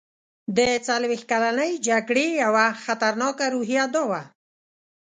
د څلوېښت کلنې جګړې یوه خطرناکه روحیه دا وه.